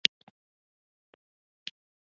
پاچا د خلکو غونده رابللې وه.